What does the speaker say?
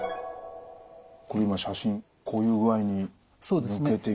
これ今写真こういう具合にむけていくんですね。